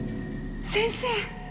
先生！